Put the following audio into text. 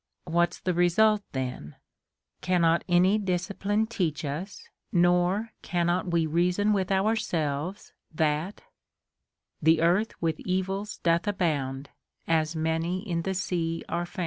What's the result then ? Cannot any discipline teach us, nor cannot we reason with ourselves , that — The earth with evils doth abound ; As many in the sea are found